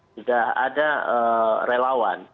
sudah ada relawan